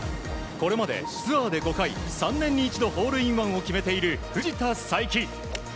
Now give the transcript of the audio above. これまでツアーで５回３年に一度ホールインワンを決めている藤田さいき。